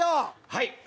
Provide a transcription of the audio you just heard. はい。